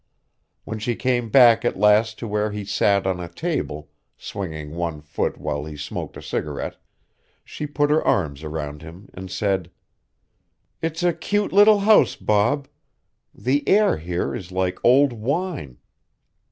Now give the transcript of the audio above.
When she came back at last to where he sat on a table, swinging one foot while he smoked a cigarette, she put her arms around him and said: "It's a cute little house, Bob. The air here is like old wine.